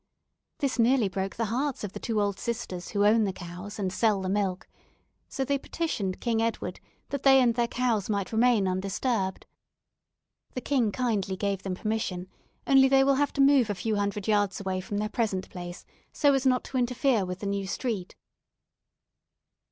This nearly broke the hearts of the two old sisters, who own the cows, and sell the milk. So they petitioned King Edward that they and their cows might remain undisturbed. The king kindly gave them permission, only they will have to move a few hundred yards away from their present place so as not to interfere with the new street."